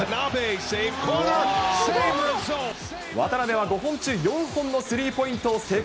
渡邊は５本中４本のスリーポイントを成功。